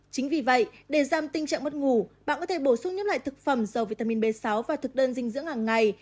chính vì vậy để giam tinh trạng mất ngủ bạn có thể bổ sung những loại thực phẩm dầu vitamin b sáu vào thực đơn dinh dưỡng hàng ngày